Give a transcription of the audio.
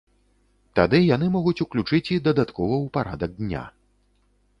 Тады яны могуць уключыць і дадаткова ў парадак дня.